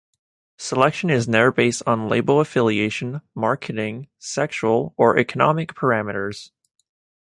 Selection is never based on label affiliation, marketing, sexual, or economic perimeters.